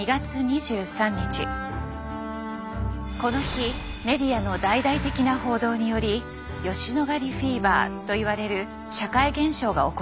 この日メディアの大々的な報道により「吉野ヶ里フィーバー」といわれる社会現象が起こります。